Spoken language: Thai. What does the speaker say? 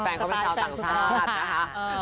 แฟนเขาเป็นชาวต่างชาตินะคะ